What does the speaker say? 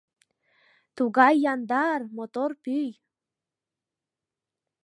Тугай яндар, мотор пӱй.